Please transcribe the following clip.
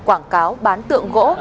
quảng cáo bán tượng gỗ